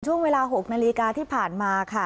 ช่วงเวลา๖นาฬิกาที่ผ่านมาค่ะ